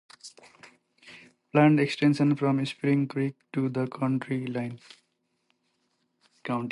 Planned extension from Spring Creek to the county line.